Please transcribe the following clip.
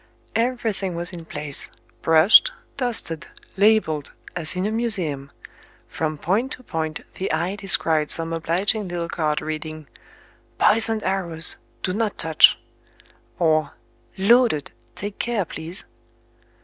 Everything was in place, brushed, dusted, labelled, as in a museum; from point to point the eye descried some obliging little card reading: I Poisoned Arrows! I I Do Not Touch! I Or, I Loaded! I I Take care, please!